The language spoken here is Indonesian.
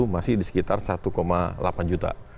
masih di sekitar satu delapan juta